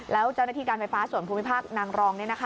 แล้วเจ้าหน้าที่การไฟฟ้าส่วนภูมิภาคนางรอง